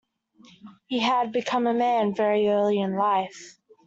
He had become a man very early in life.